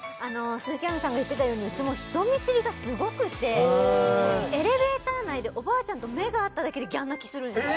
鈴木亜美さんが言ってたようにうちも人見知りがすごくてエレベーター内でおばあちゃんと目が合っただけでギャン泣きするんですよ